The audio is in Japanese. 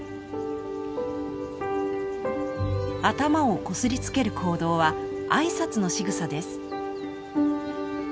頭をこすりつける行動は挨拶のしぐさです。